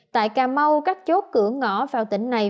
tại cà mau các chốt cửa ngõ vào tỉnh này